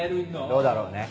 どうだろうね。